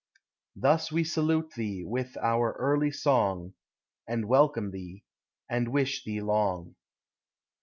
Thus we salute thee with our early song, And welcome thee, and wish thee long.